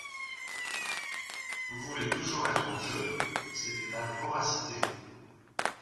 Vous voulez toujours être au jeu… c’est de la voracité !